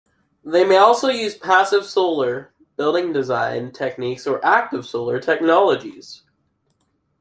They may also use passive solar building design techniques or active solar technologies.